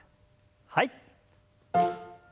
はい。